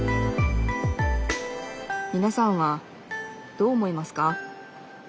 みなさんはどう思いますか？